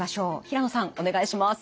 平野さんお願いします。